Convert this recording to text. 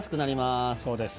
そうです。